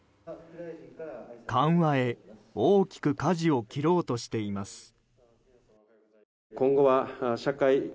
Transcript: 緩和へ、大きくかじを切ろうとしています。